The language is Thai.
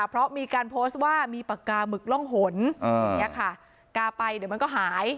เพราะมีการโพสต์ว่ามีปากกาหมึกร่องหนอย่างนี้ค่ะกาไปเดี๋ยวมันก็หาย